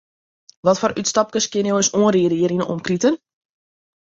Watfoar útstapkes kinne jo ús oanriede hjir yn 'e omkriten?